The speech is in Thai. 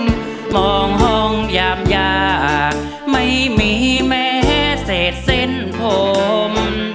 ทุกแฟนตีจากมองห้องหยาบหยากไม่มีแม้เศษเส้นผม